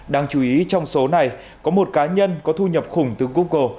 đáng chú ý trong số này có một cá nhân có thu nhập khủng từ google